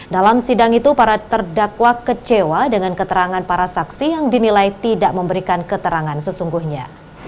dalam sidang itu para terdakwa kecewa dengan keterangan para saksi yang dinilai tidak memberikan keterangan sesungguhnya